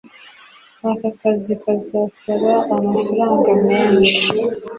aka kazi kazasaba amafaranga menshi